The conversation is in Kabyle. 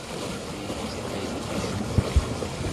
Tin d tiḥilet icemten.